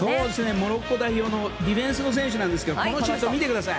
モロッコ代表のディフェンスの選手なんですがこのシュート見てください。